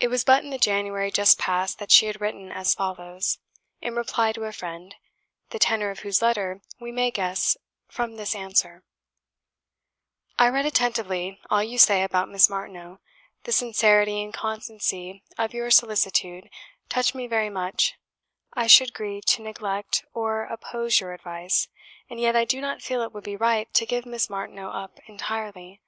It was but in the January just past that she had written as follows, in reply to a friend, the tenor of whose letter we may guess from this answer: "I read attentively all you say about Miss Martineau; the sincerity and constancy of your solicitude touch me very much; I should grieve to neglect or oppose your advice, and yet I do not feel it would be right to give Miss Martineau up entirely.